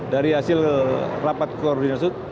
dari hasil rapat koordinasi